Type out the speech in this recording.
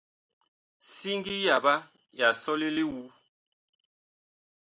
Siŋgi yaɓa ya sɔle li wu.